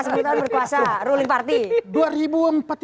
sepuluh tahun berkuasa ruling party